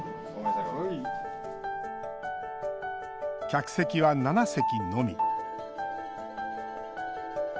客席は７席のみ。